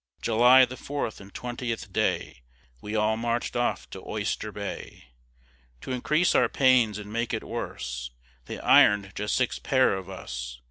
July, the fourth and twentieth day, We all marched off to Oyster Bay; To increase our pains and make it worse, They iron'd just six pair of us.